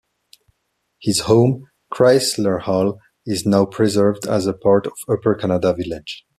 His home, Crysler Hall, is now preserved as part of Upper Canada Village.